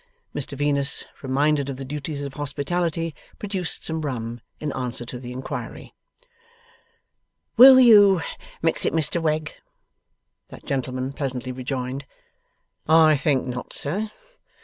Mr Venus, reminded of the duties of hospitality, produced some rum. In answer to the inquiry, 'Will you mix it, Mr Wegg?' that gentleman pleasantly rejoined, 'I think not, sir.